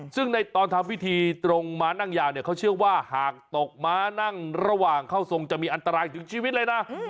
ซึ่งในตอนทำพิธีตรงม้านั่งยาวเนี่ยเขาเชื่อว่าหากตกม้านั่งระหว่างเข้าทรงจะมีอันตรายถึงชีวิตเลยนะ